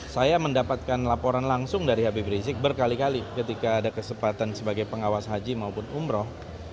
saya mendapatkan laporan langsung dari habib rizik berkali kali ketika ada kesempatan sebagai pengawas haji maupun umroh